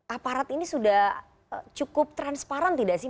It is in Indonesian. aparat ini sudah cukup transparan tidak sih